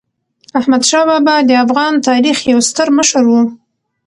احمدشاه بابا د افغان تاریخ یو ستر مشر و.